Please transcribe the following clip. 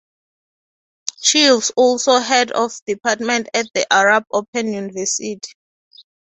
She is also head of department at the Arab Open University.